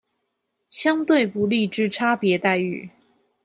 相對不利之差別待遇